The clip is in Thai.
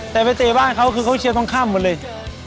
แต่ไปเตะบ้านเขาก็มีเชียรต้องข้ามหมดเลย